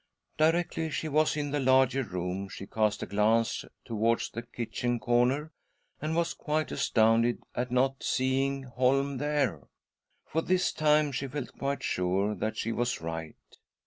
Directly she was in the larger room, she cast a glance towards the kitchen corner, and was quite astounded at not seeing Holm there — for this time she felt quite sure that she was right.